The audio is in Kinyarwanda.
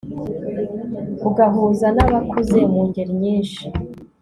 ugahuza n'abakuze mu ngeli nyinshi